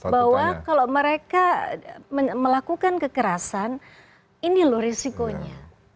bahwa kalau mereka melakukan kekerasan ini loh risikonya